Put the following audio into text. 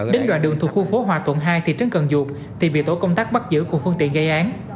đến đoạn đường thuộc khu phố hòa tuần hai thị trấn cần dược thì bị tổ công tác bắt giữ của phương tiện gây án